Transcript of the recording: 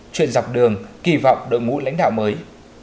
chuyên dọc đường kỳ vọng đội ngũ lãnh đạo mới